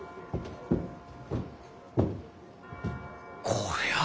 こりゃあ。